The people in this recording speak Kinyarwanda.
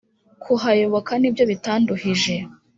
kuhayoboka nibyo bitanduhije,